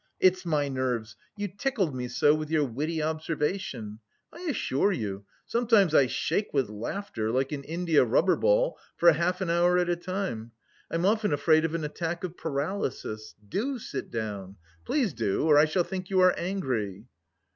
It's my nerves, you tickled me so with your witty observation; I assure you, sometimes I shake with laughter like an india rubber ball for half an hour at a time.... I'm often afraid of an attack of paralysis. Do sit down. Please do, or I shall think you are angry..."